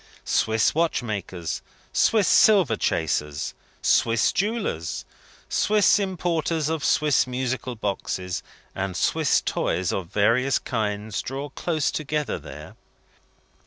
Swiss watchmakers, Swiss silver chasers, Swiss jewellers, Swiss importers of Swiss musical boxes and Swiss toys of various kinds, draw close together there.